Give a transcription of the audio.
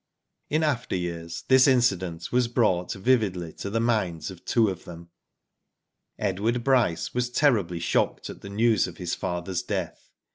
^ In after years, this incident was brought vividly to the minds of two of' them. Edward Bryce was terribly shocked at the news of his father's death.